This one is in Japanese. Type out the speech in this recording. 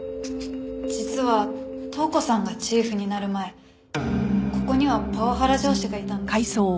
実は塔子さんがチーフになる前ここにはパワハラ上司がいたんです。